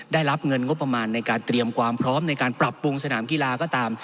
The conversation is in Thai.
ได้รับเงินงบประมาณในการเตรียมความพร้อมในการปรับปรุงสนามกีฬาก็ตาม